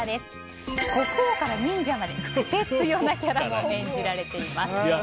国王から忍者までクセ強なキャラクターを演じられています。